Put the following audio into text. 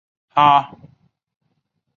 他就想占有呀